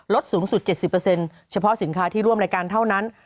สูงสุด๗๐เฉพาะสินค้าที่ร่วมรายการเท่านั้น